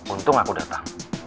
untung aku datang